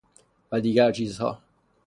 و دیگرچیزها